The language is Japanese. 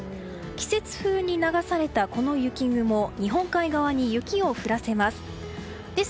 季節風に流されたこの雪雲日本海側に雪を降らせます。